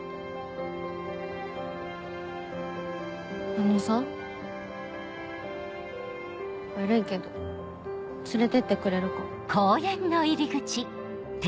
あのさ悪いけど連れてってくれるか？